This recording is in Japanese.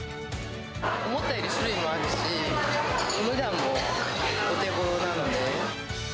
思ったより種類もあるし、お値段もお手ごろなので。